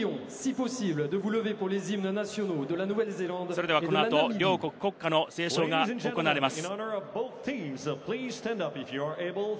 それではこの後、両国国歌の斉唱が行われます。